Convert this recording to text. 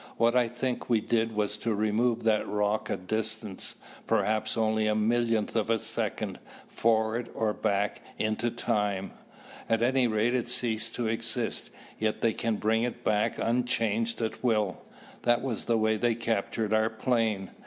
What I think we did was to remove that rock a distance, perhaps only a millionth of a second, forward or back into time. At any rate it ceased to exist, yet they can bring it back unchanged at will. That was the way they captured our plane.